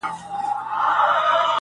موږ پخپله یو له حل څخه بېزاره!